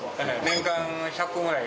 年間１００個ぐらい。